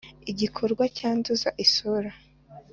Igikorwa cyanduza isura